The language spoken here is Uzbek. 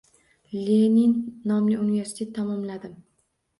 Lenin nomli universitetni tamomladim.